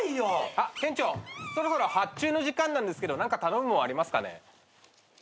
あっ店長そろそろ発注の時間なんですけど何か頼むもんありますかね？